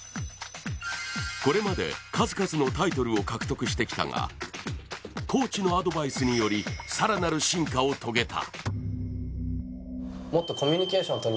これまで、数々のタイトルを獲得してきたがコーチのアドバイスにより更なる進化を遂げた。